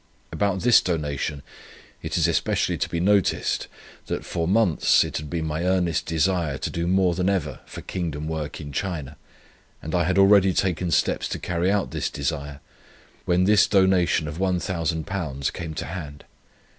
About this donation it is especially to be noticed, that for months it had been my earnest desire to do more than ever for Mission Work in China, and I had already taken steps to carry out this desire, when this donation of One Thousand Pounds came to hand.